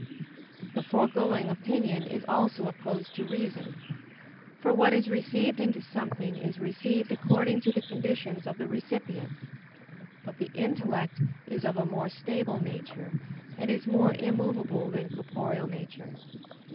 The foregoing opinion is also opposed to reason. For what is received into something is received according to the conditions of the recipient. But the intellect is of a more stable nature, and is more immovable than corporeal nature.